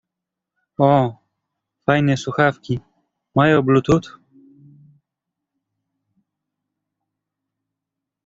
O, fajne słuchawki, mają bluetooth?